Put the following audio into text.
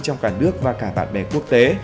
trong cả nước và cả bạn bè quốc tế